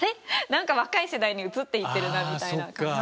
何か若い世代に移っていってるなみたいな感じ。